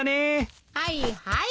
はいはい。